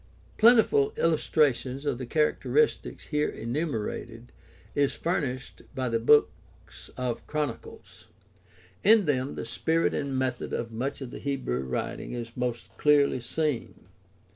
— Plentiful illustration of the characteristics here enumer ated is furnished by the Books of Chronicles. In them the spirit and method of much of the Hebrew writing is most clearly seen.